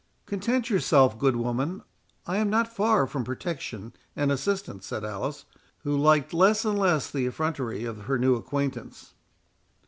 "Content yourself, good woman, I am not far from protection and assistance," said Alice, who liked less and less the effrontery of her new acquaintance.